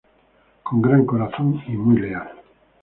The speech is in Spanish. Con gran corazón y muy leal.